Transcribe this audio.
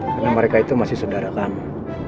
karena mereka itu masih saudara kamu